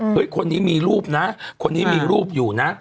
คนนี้มีรูปนะคนนี้มีรูปอยู่นะ